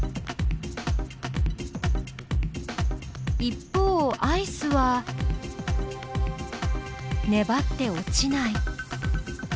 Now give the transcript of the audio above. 一方アイスはねばって落ちない。